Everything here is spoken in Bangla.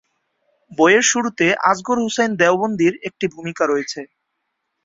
বইয়ের শুরুতে আসগর হুসাইন দেওবন্দির একটি ভূমিকা রয়েছে।